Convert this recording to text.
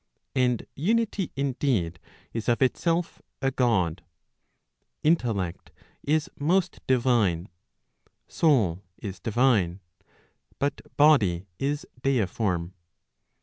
And unity indeed is of itself a God; intellect is most divine; soul is divine; but body is deiform.